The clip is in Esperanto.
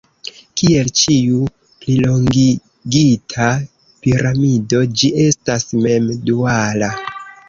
Kiel ĉiu plilongigita piramido, ĝi estas mem-duala.